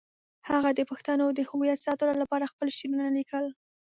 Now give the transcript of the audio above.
هغه د پښتنو د هویت ساتلو لپاره خپل شعرونه لیکل.